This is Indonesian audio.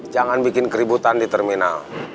jangan bikin keributan di terminal